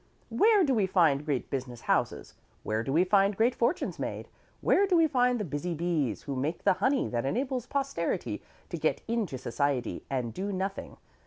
Where do we find great business houses? Where do we find great fortunes made? Where do we find the busy bees who make the honey that enables posterity to get into Society and do nothing?